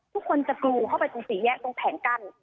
ทุกคนจะกรูเข้าไปตรงสี่แยกตรงแผงกั้น